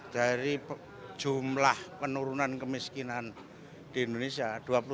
dari jumlah penurunan kemiskinan di indonesia